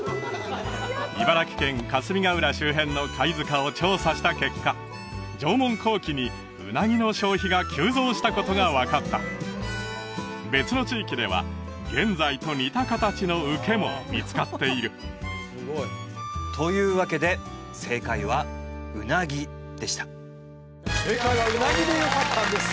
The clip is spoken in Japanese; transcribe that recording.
茨城県霞ケ浦周辺の貝塚を調査した結果縄文後期にうなぎの消費が急増したことが分かった別の地域では現在と似た形の筌も見つかっているというわけで正解は「うなぎ」でした正解は「うなぎ」でよかったんです